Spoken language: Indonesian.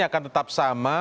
akan tetap sama